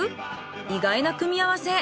意外な組み合わせ